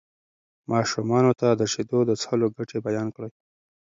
ماشومانو ته د شیدو د څښلو ګټې بیان کړئ.